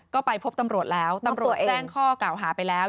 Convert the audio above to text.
ก็ไปพบตำรวจแล้วตำรวจแจ้งข้อกล่าวหาไปแล้ว